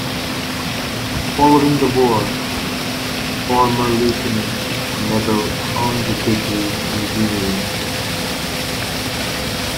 Following the war, the former "Leutnant" Nebel earned a degree in engineering.